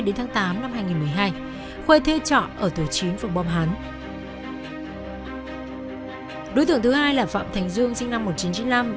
đối tượng thứ hai là phạm thành dương sinh năm một nghìn chín trăm chín mươi năm